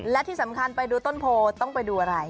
และที่สำคัญไปดูต้นโพต้องไปดูอะไร